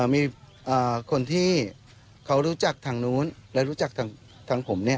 มีคนที่เขารู้จักทางนู้นและรู้จักทางผม